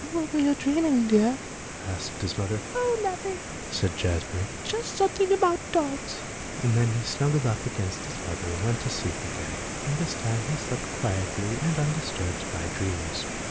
"What were you dreaming, dear?" asked his mother. "Oh, nothing," said Jazbury. "Just something about dogs"; and then he snuggled up against his mother and went to sleep again, and this time he slept quietly and undisturbed by dreams.